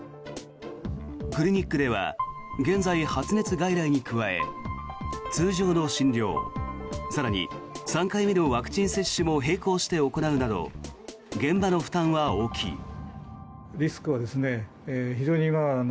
クリニックでは現在、発熱外来に加え通常の診療更に３回目のワクチン接種も並行して行うなど現場の負担は大きい。